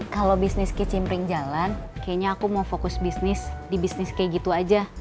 kalau bisnis kicimpring jalan kayaknya aku mau fokus bisnis di bisnis kayak gitu aja